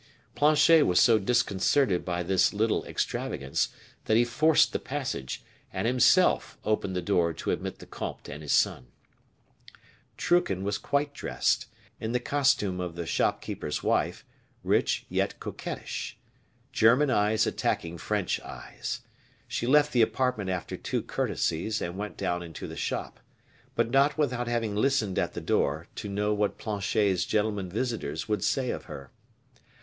Planchet was so disconcerted by this little extravagance, that he forced the passage, and himself opened the door to admit the comte and his son. Truchen was quite dressed: in the costume of the shopkeeper's wife, rich yet coquettish; German eyes attacking French eyes. She left the apartment after two courtesies, and went down into the shop but not without having listened at the door, to know what Planchet's gentlemen visitors would say of her.